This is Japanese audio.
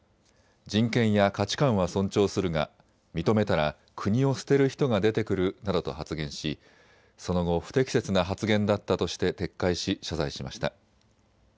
人権や価値観は尊重するが認めたら国を捨てる人が出てくるなどと発言しその後、不適切な発言だったとして撤回し謝罪しました。